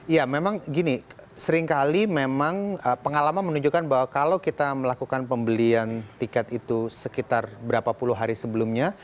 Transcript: ya memang gini seringkali memang pengalaman menunjukkan bahwa kalau kita melakukan pembelian tiket itu sekitar berapa puluh hari sebelumnya